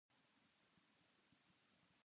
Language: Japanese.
次は立川に停車いたします。